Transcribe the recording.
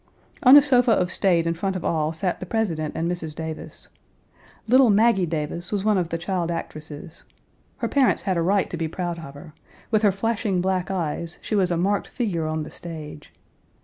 On a sofa of state in front of all sat the President and Mrs. Davis. Little Maggie Davis was one of the child actresses. Her parents had a right to be proud of her; with her flashing black eyes, she was a marked figure on the stage.